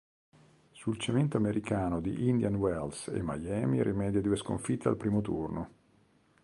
Sul cemento americano di Indian Wells e Miami rimedia due sconfitte al primo turno.